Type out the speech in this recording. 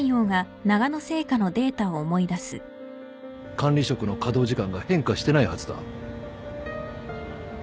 管理職の稼働時間が変化してないはずだ。